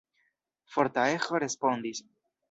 Forta eĥo respondis.